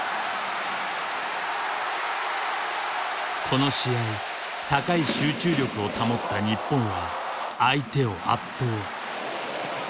この試合高い集中力を保った日本は相手を圧倒。